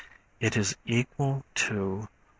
It is equal to .